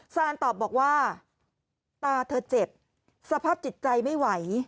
ซานตอบบอกว่าตาเธอเจ็บสภาพจิตใจไม่ไหว